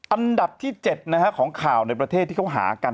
อันดับที่๗ของข่าวในประเทศที่เขาหากัน